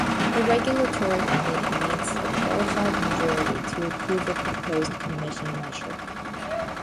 A Regulatory committee needs a qualified majority to approve a proposed Commission measure.